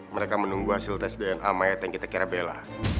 mereka menunggu hasil tes dna mayat yang kita kira bela